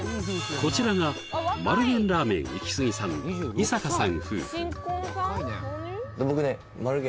こちらが丸源ラーメンイキスギさん井阪さん